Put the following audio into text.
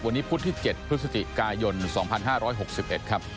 วันนี้พุธที่๗พฤศจิกายน๒๕๖๑ครับ